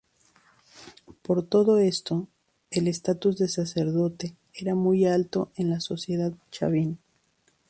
Por todo esto, el estatus de sacerdote era muy alto en la sociedad chavín.